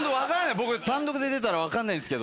僕単独で出たら分からないですけど。